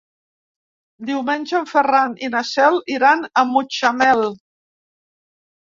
Diumenge en Ferran i na Cel iran a Mutxamel.